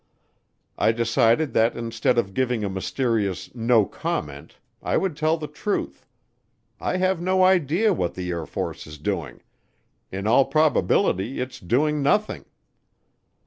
I decided that instead of giving a mysterious "no comment" I would tell the truth: "I have no idea what the Air Force is doing; in all probability it's doing nothing."